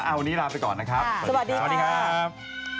วันนี้ลาไปก่อนนะครับสวัสดีครับ